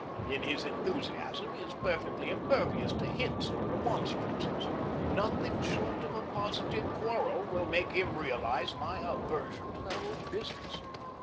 In his enthusiasm he is perfectly impervious to hints or remonstrances. Nothing short of a positive quarrel will make him realize my aversion to the whole business.